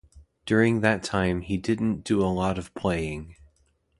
During that time he "didn't do a lot of playing".